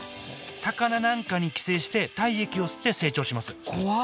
魚なんかに寄生して体液を吸って成長します怖っ！